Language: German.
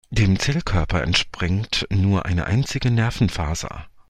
Dem Zellkörper entspringt nur eine einzige Nervenfaser.